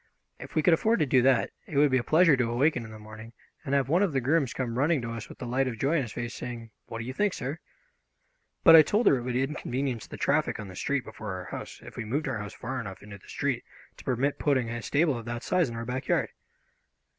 If we could afford to do that, it would be a pleasure to awaken in the morning and have one of the grooms come running to us with the light of joy on his face, saying, "What do you think, sir? "But I told her it would inconvenience the traffic on the street before our house if we moved our house far enough into the street to permit putting a stable of that size in our backyard."